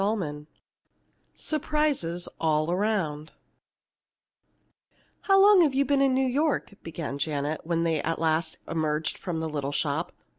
CHAPTER VII SURPRISES ALL AROUND "How long have you been in New York?" began Janet, when at last they emerged from the little shop.